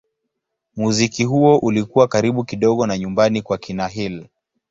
Muziki huo ulikuwa karibu kidogo na nyumbani kwa kina Hill.